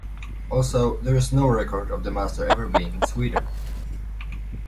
Also, there is no record of the Master ever being in Sweden.